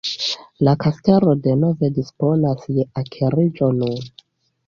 La kastelo denove disponas je akiriĝo nun.